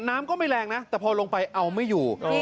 น้ำก็ไม่แรงนะแต่พอลงไปเอาไม่อยู่